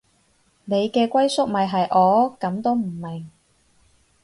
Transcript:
你嘅歸宿咪係我，噉都唔明